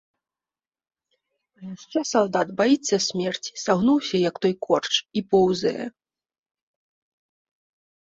А яшчэ салдат, баіцца смерці, сагнуўся, як той корч, і поўзае.